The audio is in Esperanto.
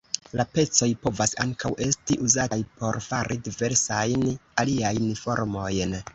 La pecoj povas ankaŭ esti uzataj por fari diversajn aliajn formojn.